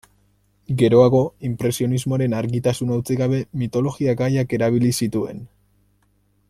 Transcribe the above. Geroago, inpresionismoaren argitasuna utzi gabe, mitologia-gaiak erabili zituen.